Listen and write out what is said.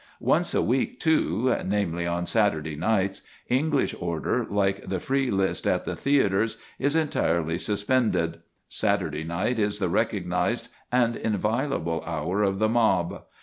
Once a week, too, namely, on Saturday nights, English order, like the free list at the theatres, is entirely suspended. Saturday night is the recognised and inviolable hour of the mob.